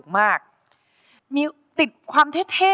โปรดติดตามต่อไป